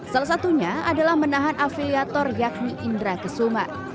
salah satunya adalah menahan afiliator yakni indra kesuma